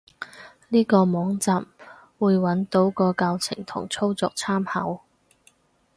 呢個網站，會揾到個教程同操作參考